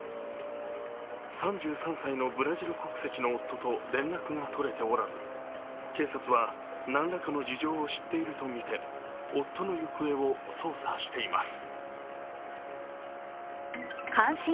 ３３歳のブラジル国籍の夫と連絡が取れておらず警察は何らかの事情を知っているとみて、夫の行方を捜査しています。